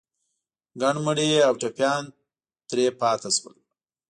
ګڼ مړي او ټپيان ترې پاتې شول.